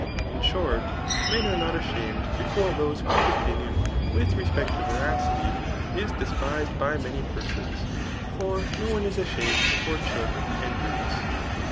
In diort, men are not ashamed before those whose opinion with respect to veradty, h despised by many persons; for no one is ashamed before children and brutes.